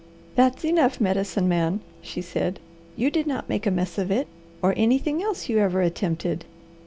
"That's enough Medicine Man!" she said. "You did not make a 'mess' of it, or anything else you ever attempted.